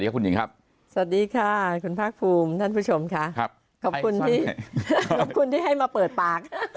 คุณผู้ชมค่ะขอบคุณที่ให้มาเปิดปาก